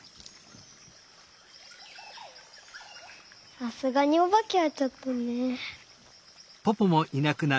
さすがにおばけはちょっとね。